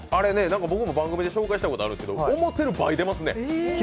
僕も番組で紹介したことあるんですけど、思うてるより倍出ますね。